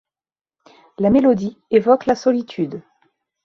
La mélodie évoque la solitude.